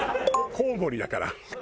コウモリだから。